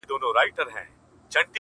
اوس يې ياري كومه ياره مـي ده؛